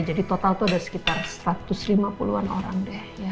jadi total itu ada sekitar satu ratus lima puluh an orang deh